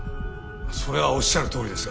それはおっしゃるとおりですが。